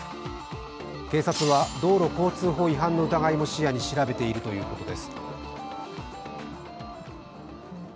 警察は道路交通法違反の疑いも視野に調べているということです。